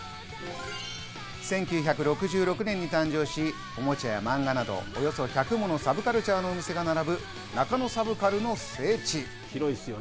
１９６６年に誕生し、おもちゃや、マンガなどおよそ１００ものサブカルチャーのお店が並ぶ、中野サブカルの聖地。